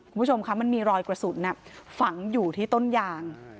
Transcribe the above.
คุณผู้ชมคะมันมีรอยกระสุนฝังอยู่ที่ต้นยาง